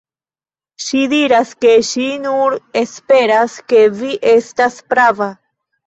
Ŝi diras, ke ŝi nur esperas, ke vi estas prava.